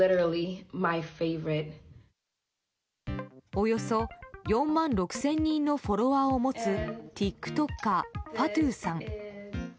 およそ４万６０００人のフォロワーを持つティックトッカーファトゥーさん。